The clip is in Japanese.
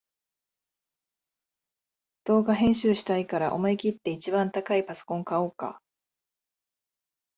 動画編集したいから思いきって一番高いパソコン買おうか